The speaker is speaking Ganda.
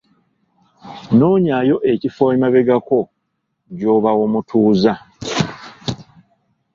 Noonyaayo ekifo emabegako gy'oba omutuuza.